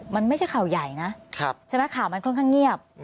มันไม่ใช่ข่าวใหญ่นะใช่ไหมข่าวมันค่อนข้างเงียบ